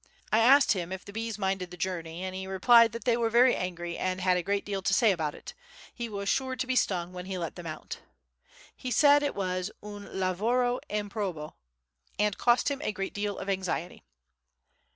I asked him if the bees minded the journey, and he replied that they were very angry and had a great deal to say about it; he was sure to be stung when he let them out. He said it was "un lavoro improbo," and cost him a great deal of anxiety.